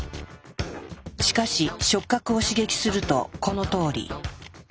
しかし触覚を刺激するとこのとおり。